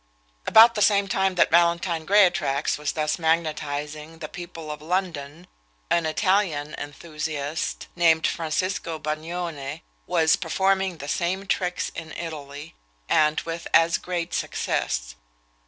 About the same time that Valentine Greatraks was thus magnetising the people of London, an Italian enthusiast, named Francisco Bagnone, was performing the same tricks in Italy, and with as great success.